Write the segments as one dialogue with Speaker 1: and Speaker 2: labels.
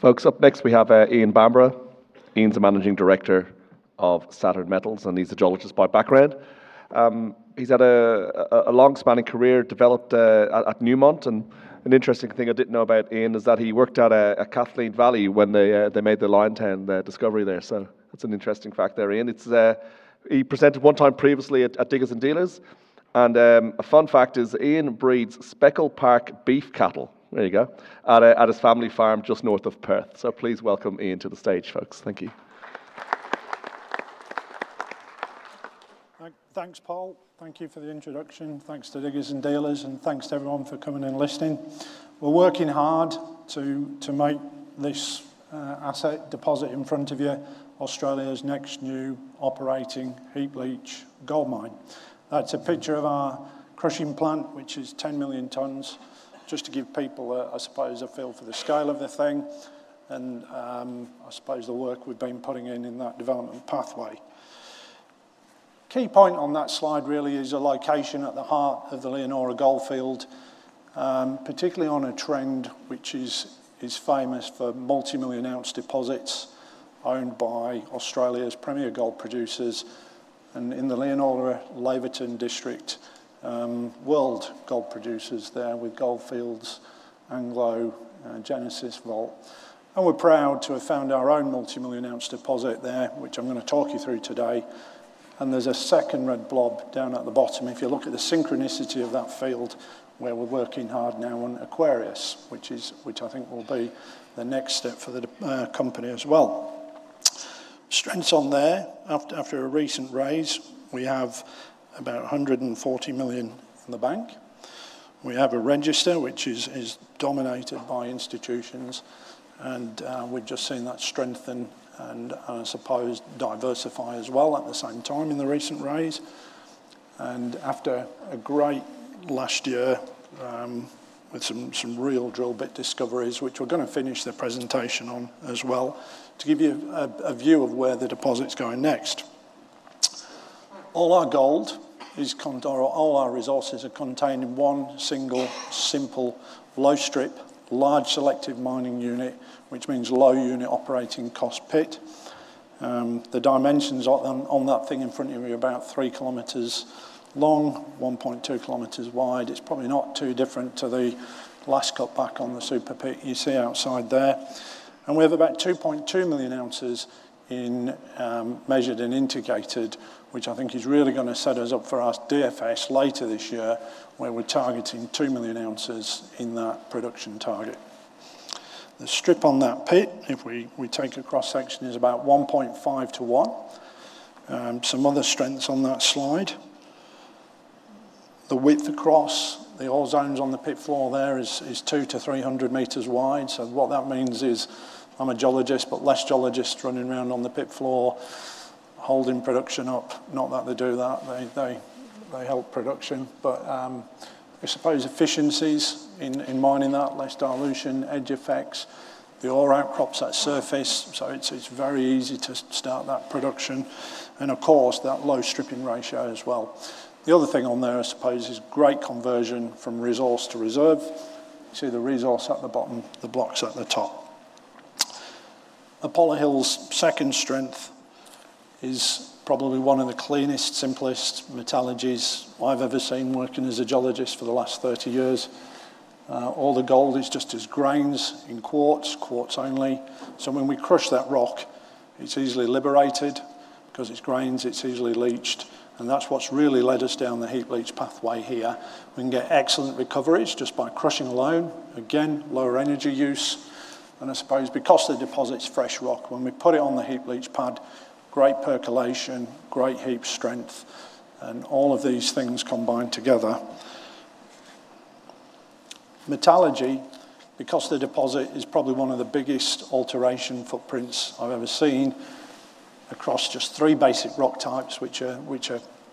Speaker 1: Folks, up next we have Ian Bamborough. Ian's the Managing Director of Saturn Metals, and he's a geologist by background. He's had a long-spanning career developed at Newmont, and an interesting thing I didn't know about Ian is that he worked out at Kathleen Valley when they made the Liontown discovery there. That's an interesting fact there, Ian. He presented one time previously at Diggers & Dealers, and a fun fact is Ian breeds Speckle Park beef cattle. There you go at his family farm just north of Perth. Please welcome Ian to the stage, folks. Thank you.
Speaker 2: Thanks, Paul. Thank you for the introduction. Thanks to Diggers & Dealers, thanks to everyone for coming and listening. We're working hard to make this asset deposit in front of you Australia's next new operating heap leach gold mine. That's a picture of our crushing plant, which is 10 million tons, just to give people, I suppose, a feel for the scale of the thing and, I suppose, the work we've been putting in in that development pathway. Key point on that slide really is the location at the heart of the Leonora Goldfield, particularly on a trend which is famous for multimillion-ounce deposits owned by Australia's premier gold producers and, in the Leonora, Laverton district, world gold producers there with Gold Fields, Anglo, Genesis, Vault. We're proud to have found our own multimillion-ounce deposit there, which I'm going to talk you through today, there's a second red blob down at the bottom. If you look at the synchronicity of that field where we're working hard now on Aquarius, which I think will be the next step for the company as well. Strengths on there. After a recent raise, we have about 140 million in the bank. We have a register which is dominated by institutions and we've just seen that strengthen and, I suppose, diversify as well at the same time in the recent raise. After a great last year with some real drill bit discoveries, which we're going to finish the presentation on as well to give you a view of where the deposit's going next. All our resources are contained in one single, simple, low-strip, large selective mining unit, which means low unit operating cost pit. The dimensions on that thing in front of you are about three kilometers long, 1.2 km wide. It's probably not too different to the last cut back on the Super Pit you see outside there. We have about 2.2 million oz Measured and Indicated, which I think is really going to set us up for our DFS later this year, where we're targeting 2 million oz in that production target. The strip on that pit, if we take a cross-section, is about 1.5:1. Some other strengths on that slide. The width across the ore zones on the pit floor there is 200 to 300 m wide. What that means is, I'm a geologist, but less geologists running around on the pit floor holding production up. Not that they do that, they help production. I suppose efficiencies in mining that, less dilution, edge effects, the ore outcrops that surface, so it's very easy to start that production. Of course, that low stripping ratio as well. The other thing on there, I suppose, is great conversion from resource to reserve. You see the resource at the bottom, the blocks at the top. Apollo Hill's second strength is probably one of the cleanest, simplest metallurgies I've ever seen working as a geologist for the last 30 years. All the gold is just as grains in quartz only. When we crush that rock, it's easily liberated. Because it's grains, it's easily leached, and that's what's really led us down the heap leach pathway here. We can get excellent recoveries just by crushing alone. Again, lower energy use. I suppose because the deposit's fresh rock, when we put it on the heap leach pad, great percolation, great heap strength, and all of these things combined together. Metallurgy, because the deposit is probably one of the biggest alteration footprints I've ever seen across just three basic rock types, which are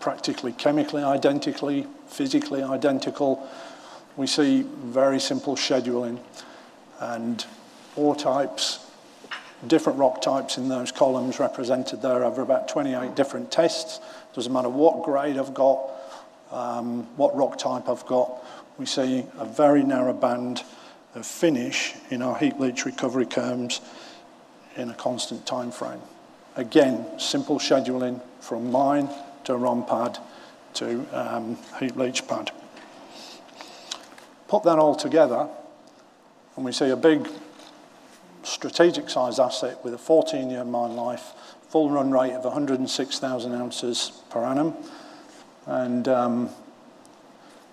Speaker 2: practically chemically identical, physically identical. We see very simple scheduling and ore types, different rock types in those columns represented there over about 28 different tests. Doesn't matter what grade I've got, what rock type I've got, we see a very narrow band of finish in our heap leach recovery curves in a constant time frame. Again, simple scheduling from mine to ROM pad to heap leach pad. Put that all together, we see a big strategic-size asset with a 14-year mine life, full run rate of 106,000 oz per annum.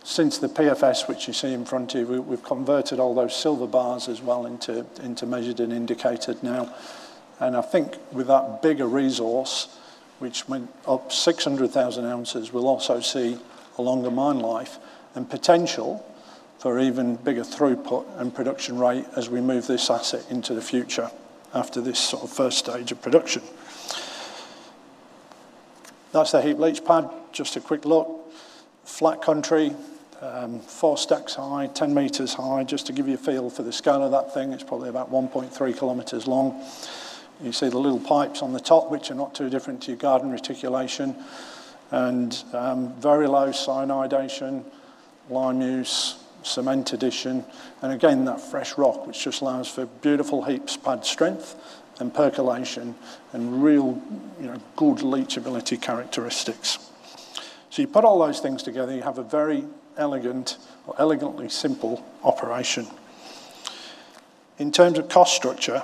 Speaker 2: Since the PFS, which you see in front of you, we've converted all those silver bars as well into measured and indicated now. I think with that bigger resource, which went up 600,000 oz, we'll also see a longer mine life and potential for even bigger throughput and production rate as we move this asset into the future after this sort of first stage of production. That's the heap leach pad. Just a quick look. Flat country, four stacks high, 10 m high. Just to give you a feel for the scale of that thing, it's probably about 1.3 km long. You see the little pipes on the top, which are not too different to your garden reticulation. Very low cyanidation, lime use, cement addition. Again, that fresh rock, which just allows for beautiful heaps pad strength and percolation and real good leachability characteristics. You put all those things together, you have a very elegant or elegantly simple operation. In terms of cost structure,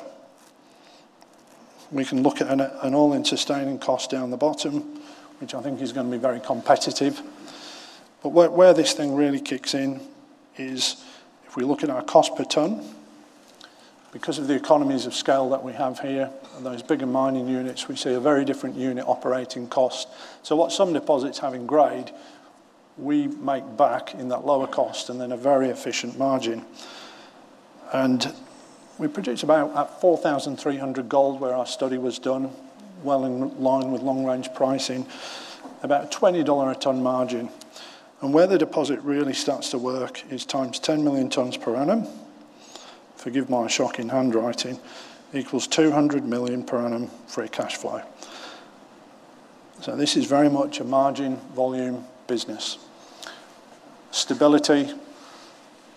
Speaker 2: we can look at an all-in sustaining cost down the bottom, which I think is going to be very competitive. Where this thing really kicks in is if we look at our cost per ton. Because of the economies of scale that we have here and those bigger mining units, we see a very different unit operating cost. What some deposits have in grade, we make back in that lower cost and then a very efficient margin. We produce about 4,300 gold where our study was done, well in line with long-range pricing, about 20 dollar a ton margin. Where the deposit really starts to work is times 10 million tons per annum, forgive my shocking handwriting, equals 200 million per annum free cash flow. This is very much a margin volume business. Stability,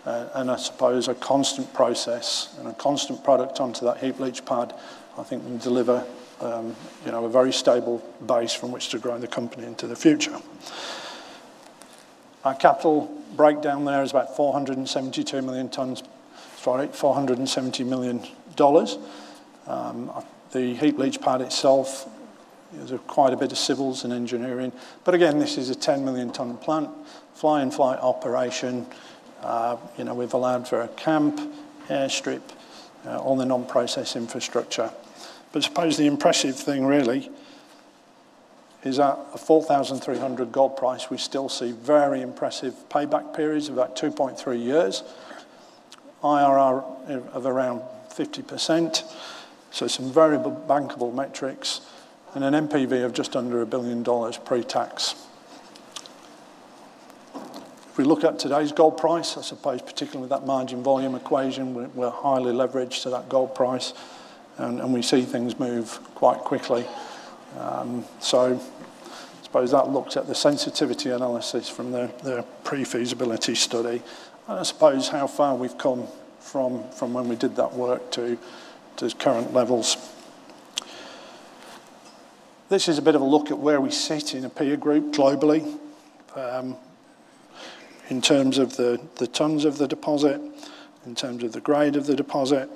Speaker 2: and I suppose a constant process and a constant product onto that heap leach pad, I think will deliver a very stable base from which to grow the company into the future. Our capital breakdown there is about 472 million tons. AUD 470 million. The heap leach pad itself is quite a bit of civils and engineering. Again, this is a 10-million-ton plant, fly-in fly-out operation. We've allowed for a camp, airstrip, all the non-process infrastructure. I suppose the impressive thing really is at an 4,300 gold price, we still see very impressive payback periods of about 2.3 years, IRR of around 50%. Some very bankable metrics and an NPV of just under 1 billion dollars pre-tax. If we look at today's gold price, I suppose particularly that margin volume equation, we're highly leveraged to that gold price, and we see things move quite quickly. I suppose that looks at the sensitivity analysis from the pre-feasibility study, and I suppose how far we've come from when we did that work to current levels. This is a bit of a look at where we sit in a peer group globally. In terms of the tons of the deposit, in terms of the grade of the deposit,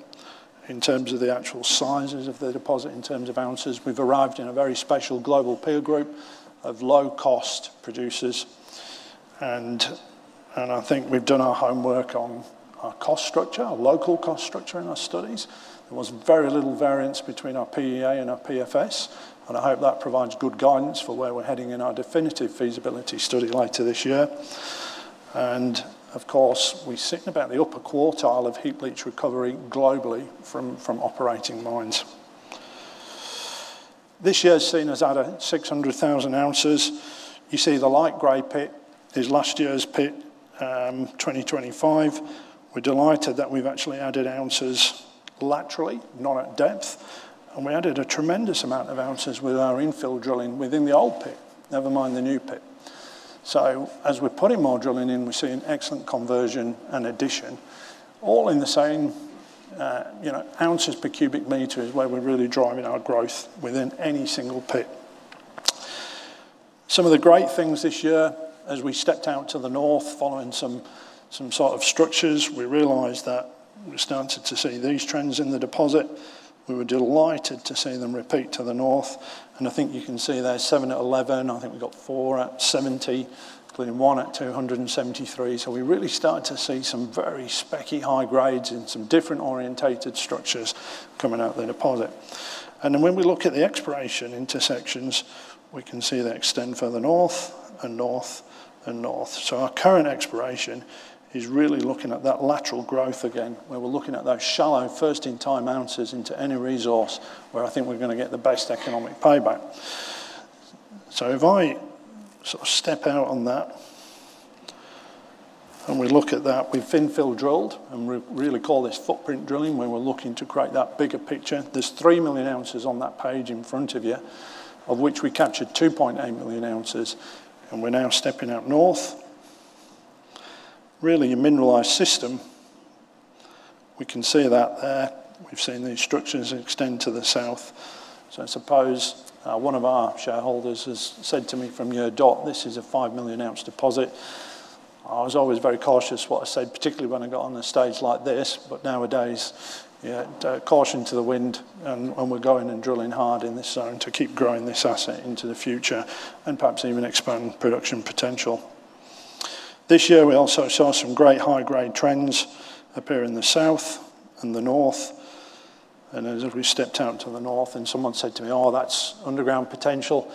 Speaker 2: in terms of the actual sizes of the deposit, in terms of ounces, we've arrived in a very special global peer group of low-cost producers. I think we've done our homework on our cost structure, our local cost structure in our studies. There was very little variance between our PEA and our PFS, I hope that provides good guidance for where we're heading in our definitive feasibility study later this year. Of course, we sit in about the upper quartile of heap leach recovery globally from operating mines. This year's seen us add 600,000 oz. You see the light gray pit is last year's pit, 2025. We're delighted that we've actually added ounces laterally, not at depth. We added a tremendous amount of ounces with our infill drilling within the old pit, never mind the new pit. As we're putting more drilling in, we're seeing excellent conversion and addition, all in the same ounces per cubic meter is where we're really driving our growth within any single pit. Some of the great things this year, as we stepped out to the north following some sort of structures, we realized that we started to see these trends in the deposit. We were delighted to see them repeat to the north. I think you can see there, 7 at 11, I think we got 4 at 70, including 1 at 273. We're really starting to see some very speccy high grades in some different orientated structures coming out of the deposit. When we look at the exploration intersections, we can see they extend further north and north and north. Our current exploration is really looking at that lateral growth again, where we're looking at those shallow first-in-time ounces into any resource where I think we're going to get the best economic payback. If I step out on that and we look at that, we've infill drilled, and we really call this footprint drilling, where we're looking to create that bigger picture. There's 3 million oz on that page in front of you, of which we captured 2.8 million oz, and we're now stepping out north. Really a mineralized system. We can see that there. We've seen these structures extend to the south. I suppose one of our shareholders has said to me from your dot, this is a 5-million-oz deposit. I was always very cautious what I said, particularly when I got on a stage like this. Nowadays, caution to the wind, and we're going and drilling hard in this zone to keep growing this asset into the future and perhaps even expand production potential. This year, we also saw some great high-grade trends appear in the south and the north. As we stepped out to the north and someone said to me, "Oh, that's underground potential."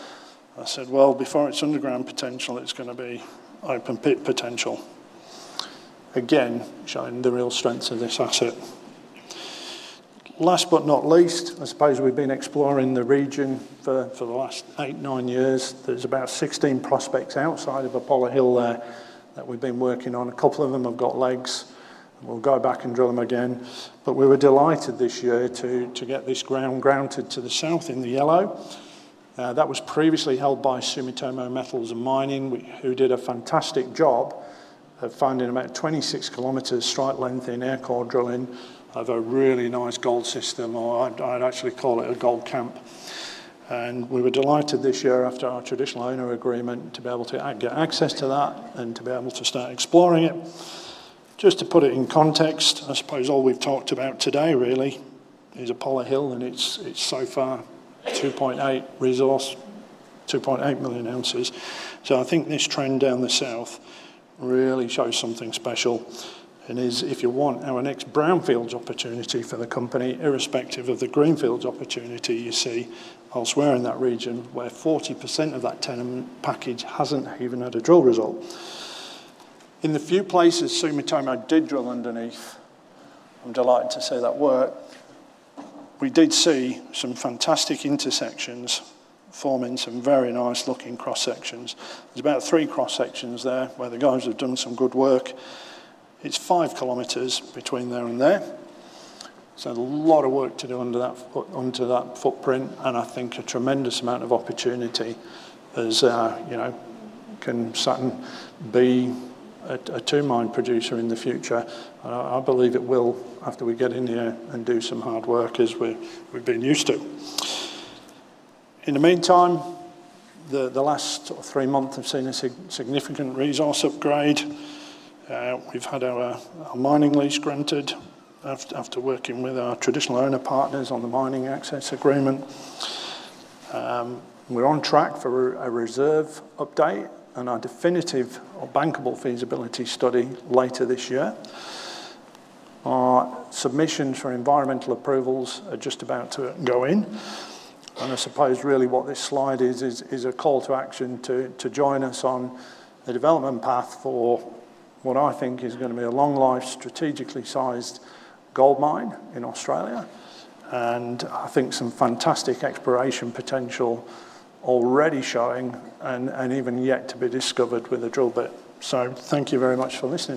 Speaker 2: I said, "Well, before it's underground potential, it's going to be open pit potential." Again, showing the real strengths of this asset. Last but not least, I suppose we've been exploring the region for the last eight, nine years. There's about 16 prospects outside of Apollo Hill there that we've been working on. A couple of them have got legs. We'll go back and drill them again. We were delighted this year to get this ground granted to the south in the yellow. That was previously held by Sumitomo Metal Mining, who did a fantastic job at finding about 26 km strike length in air core drilling of a really nice gold system. I'd actually call it a gold camp. We were delighted this year, after our traditional owner agreement, to be able to get access to that and to be able to start exploring it. Just to put it in context, I suppose all we've talked about today really is Apollo Hill, and it's so far 2.8 resource, 2.8 million oz. I think this trend down the south really shows something special and is, if you want, our next brownfields opportunity for the company, irrespective of the greenfields opportunity you see elsewhere in that region, where 40% of that tenement package hasn't even had a drill result. In the few places Sumitomo did drill underneath, I'm delighted to say that worked. We did see some fantastic intersections forming some very nice-looking cross-sections. There's about three cross-sections there where the guys have done some good work. It's five kilometers between there and there. A lot of work to do onto that footprint and I think a tremendous amount of opportunity as can Saturn be a two-mine producer in the future? I believe it will after we get in there and do some hard work as we've been used to. In the meantime, the last three months have seen a significant resource upgrade. We've had our mining lease granted after working with our traditional owner partners on the mining access agreement. We're on track for a reserve update and our definitive or bankable feasibility study later this year. Our submissions for environmental approvals are just about to go in, I suppose really what this slide is a call to action to join us on the development path for what I think is going to be a long-life, strategically sized gold mine in Australia. I think some fantastic exploration potential already showing and even yet to be discovered with the drill bit. Thank you very much for listening